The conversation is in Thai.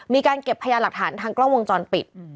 มีการเก็บพยานหลักฐานทางกล้องวงจรปิด